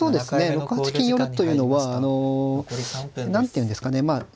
６八金寄というのはあの何ていうんですかね